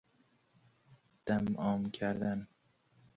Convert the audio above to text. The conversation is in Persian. دم عام کردن